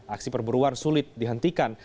aksi perburuan sulit dihentikan